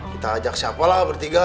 kita ajak siapa lah bertiga